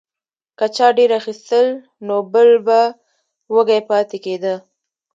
که چا ډیر اخیستل نو بل به وږی پاتې کیده.